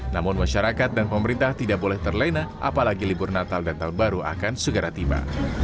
namun masyarakat dan pemerintah tidak boleh terlena apalagi libur natal dan tahun baru akan segera tiba